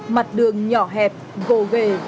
mặt đường nhỏ hẹp gồ ghề